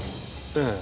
ええ。